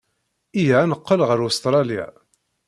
Iyya ad neqqel ɣer Ustṛalya.